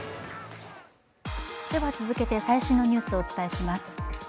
続けて最新のニュースをお伝えします。